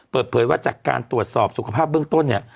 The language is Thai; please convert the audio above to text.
เปิดเผยว่าจากการตรวจสอบสุขภาพเบื้องต้นเนี่ย